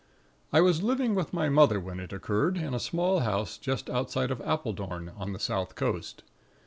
"I was living with my mother when it occurred, in a small house just outside of Appledorn, on the South Coast.